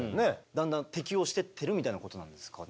だんだん適応してってるみたいなことなんですかね。